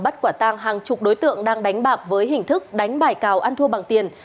bắt quả tang hàng chục đối tượng đang đánh bạc với hình thức đánh bài cào ăn thua bằng tiền